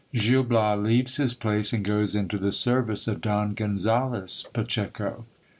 — Gil Bias leaves his place and goes into the service of Don Gonzales Pacheco.